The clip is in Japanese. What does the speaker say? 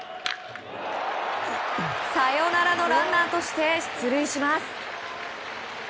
サヨナラのランナーとして出塁します。